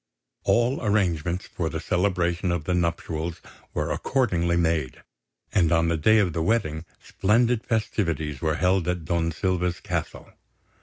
All arrangements for the celebration of the nuptials were accordingly made; and on the day of the wedding splendid festivities were held at Don Silva's castle.